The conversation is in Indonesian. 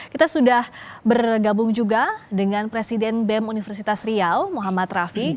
kita sudah bergabung juga dengan presiden bem universitas riau muhammad rafi